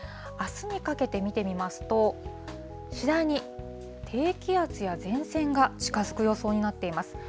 あすにかけて見てみますと、次第に低気圧や前線が近づく予想になっています。